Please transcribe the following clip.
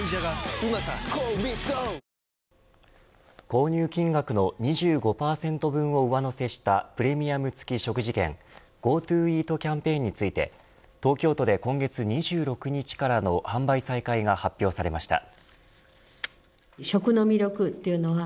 購入金額の２５％分を上乗せしたプレミアム付き食事券ＧｏＴｏイートキャンペーンについて東京都で今月２６日からの販売再開が発表されました。